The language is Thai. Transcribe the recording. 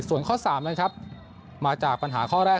ส่วนข้อ๓นะครับมาจากปัญหาข้อแรก